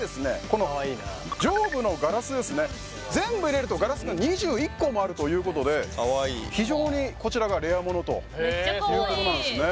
この上部のガラスですね全部入れるとガラスが２１個もあるということで非常にこちらがレアものということなんすね